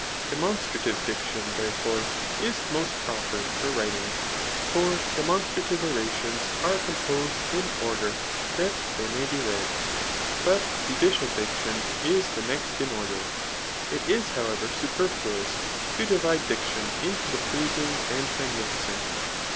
Demonstrative diction, therefore, is most proper for writing; for demonstrative orations are composed in order that they may be read. But judicial diction is the next in order. It is however superfluous to divide dic tion into the pleasmg and magnificent.